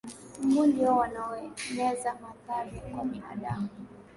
mbu ndiyo wanaoeneza malaria kwa binadamu